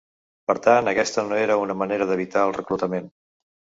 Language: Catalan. Per tant, aquesta no era una manera d'evitar el reclutament.